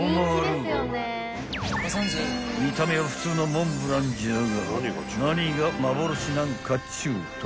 ［見た目は普通のモンブランじゃが何が幻なんかっちゅうと］